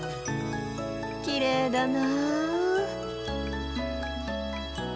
きれいだな。